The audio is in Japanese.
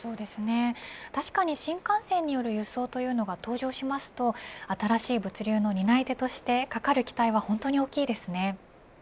確かに新幹線による輸送というのが登場しますと新しい物流の担い手としてかかる期待は本当に大きいですね。